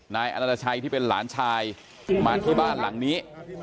นายอนาชัยที่เป็นหลานชายมาที่บ้านหลังนี้